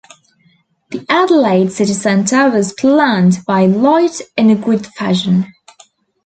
The Adelaide city centre was planned by Light in a grid fashion.